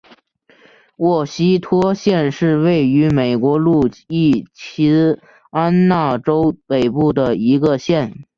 沃希托县是位于美国路易斯安那州北部的一个县。